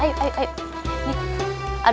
ayo buruan buruan udah azan